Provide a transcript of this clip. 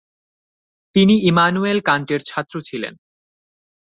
তিনি ইমানুয়েল কান্টের ছাত্র ছিলেন।